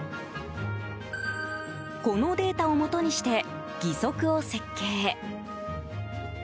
このデータをもとにして義足を設計。